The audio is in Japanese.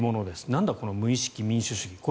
なんだこの無意識民主主義って。